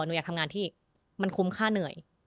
หนูอยากทำงานที่มันคุ้มค่าเหนื่อย